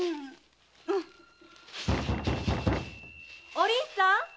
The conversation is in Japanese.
・お凛さん！